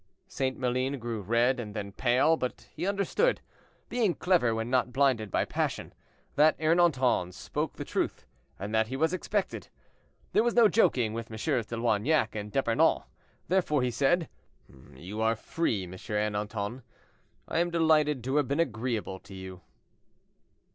St. Maline grew red and then pale; but he understood, being clever when not blinded by passion, that Ernanton spoke the truth, and that he was expected. There was no joking with MM. de Loignac and d'Epernon; therefore he said, "You are free, M. Ernanton; I am delighted to have been agreeable to you."